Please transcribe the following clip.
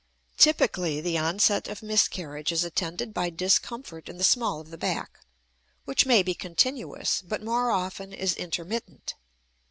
Typically, the onset of miscarriage is attended by discomfort in the small of the back, which may be continuous, but more often is intermittent.